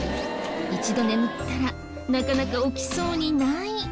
一度眠ったらなかなか起きそうにない。